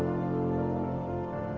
saya tidak tahu